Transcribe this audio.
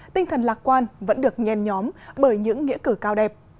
tinh thần lạc quan vẫn được nhen nhóm bởi những nghĩa cử cao đẹp